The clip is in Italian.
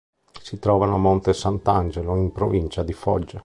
Si trovano a Monte Sant'Angelo, in provincia di Foggia.